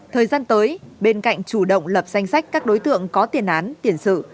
thời gian tới bên cạnh chủ động lập danh sách các đối tượng có tiền án tiền sự